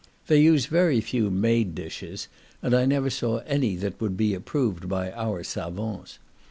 They use very few made dishes, and I never saw any that would be approved by our savants.